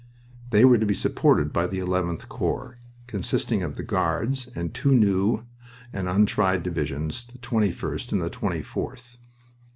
They were to be supported by the 11th Corps, consisting of the Guards and two new and untried divisions, the 21st and the 24th.